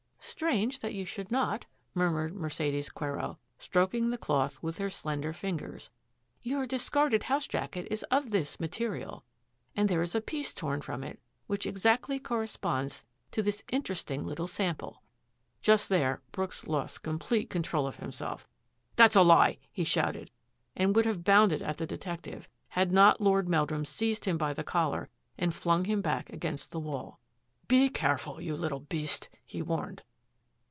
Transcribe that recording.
" Strange that you should not," murmured Mer cedes Quero, stroking the cloth with her slender fingers, " your discarded house jacket is of this material, and there is a piece torn from it which exactly corresponds to this interesting little sam ple." Just there Brooks lost complete control of him self. " That's a lie !" he shouted, and would have bounded at the detective, had not Lord Meldnim seized him by the collar and flung him back against the wall. " Be careful, you little beast !" he warned.